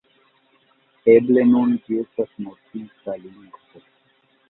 Eble nun ĝi estas mortinta lingvo.